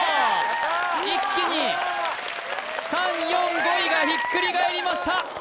一気に３・４・５位がひっくり返りました